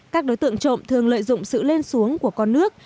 các đối tượng trộm thường lợi dụng sự lên xuống của con nước